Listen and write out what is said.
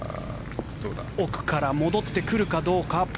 奥から戻ってくるかどうか。